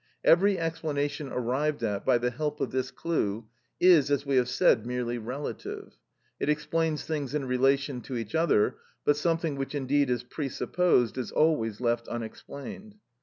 Every explanation arrived at by the help of this clue is, as we have said, merely relative; it explains things in relation to each other, but something which indeed is presupposed is always left unexplained.